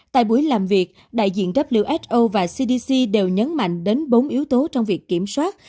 tại buổi làm việc đại diện wso và cdc đều nhấn mạnh đến bốn yếu tố trong việc kiểm soát